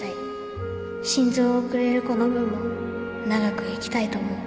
心臓をくれる子の分も長く生きたいと思う